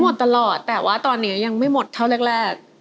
ตลอดแต่ว่าตอนนี้ยังไม่หมดเท่าแรก